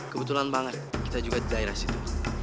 kebetulan banget kita juga di daerah situ